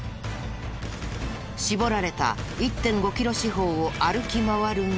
絞られた１．５キロ四方を歩き回るが。